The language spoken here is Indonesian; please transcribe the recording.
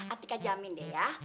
atika jamin deh ya